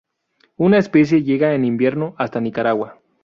Una especie llega en invierno hasta Nicaragua.